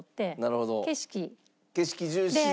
景色重視で？